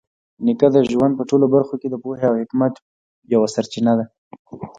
نیکه د ژوند په ټولو برخو کې د پوهې او حکمت یوه سرچینه ده.